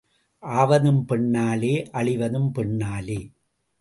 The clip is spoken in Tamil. ஆவதும் பெண்ணாலே அழிவதும் பெண்ணாலே.